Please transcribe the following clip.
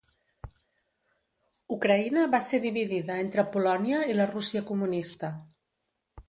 Ucraïna va ser dividida entre Polònia i la Rússia comunista.